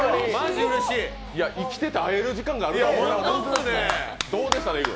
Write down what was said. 生きてて会える時間があるとは思わなかった。